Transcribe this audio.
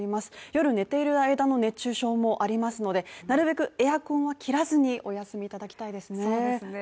夜、寝ている間の熱中症もありますのでなるべくエアコンは切らずにお休みいただきたいですね。